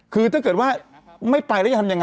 คือถ้าเกิดว่าไม่ไปแล้วจะทำยังไง